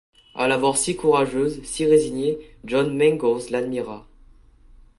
À la voir si courageuse, si résignée, John Mangles l’admira.